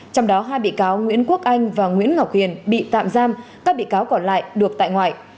trong đó hai bị cáo nguyễn quốc anh và nguyễn ngọc hiền bị tạm giam các bị cáo còn lại được tại ngoại